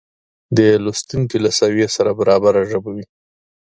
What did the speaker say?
د لوستونکې له سویې سره برابره ژبه وي